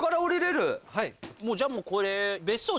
じゃあもうこれ。